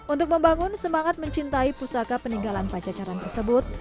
untuk membangun semangat mencintai pusaka peninggalan pajajaran tersebut